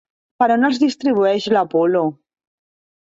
Per on es distribueix l'apol·lo?